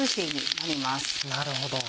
なるほど。